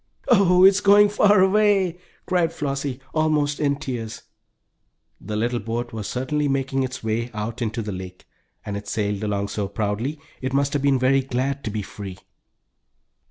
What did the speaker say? "Oh, it's going far away!" cried Flossie; almost in tears. The little boat was certainly making its way out into the lake, and it sailed along so proudly, it must have been very glad to be free.